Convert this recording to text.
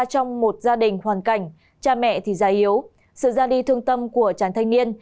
trong một gia đình hoàn cảnh cha mẹ thì già yếu sự ra đi thương tâm của chàng thanh niên